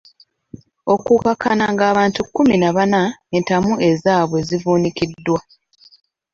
Okukkakkana ng'abantu kkumi na bana entamu ezaabwe zivuunikiddwa.